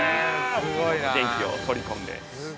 電気を取り込んで。